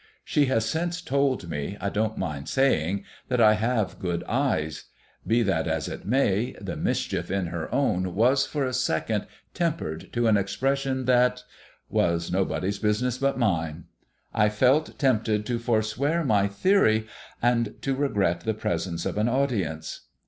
She has since told me, I don't mind saying, that I have good eyes; be that as it may, the mischief in her own was for a second tempered to an expression that was nobody's business but mine. I felt tempted to forswear my theory, and to regret the presence of an audience.